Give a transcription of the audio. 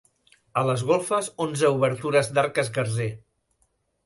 A les golfes onze obertures d'arc escarser.